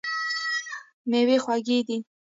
میوې خوږې دي.